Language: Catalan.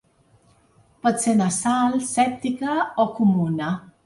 Pot ser nasal, sèptica o comuna.